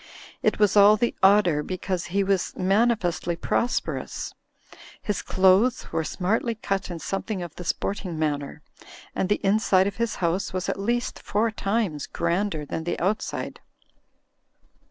It was all the odder because he was manifestly pros perous; his clothes were smartly cut in something of the sporting manner, and the inside of his house was at least four times grander than the outside.